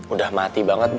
udah mati banget bi